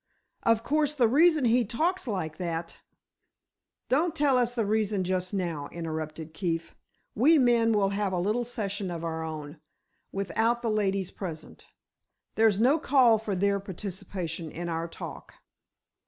Of course, the reason he talks like that——" "Don't tell us the reason just now," interrupted Keefe. "We men will have a little session of our own, without the ladies present. There's no call for their participation in our talk."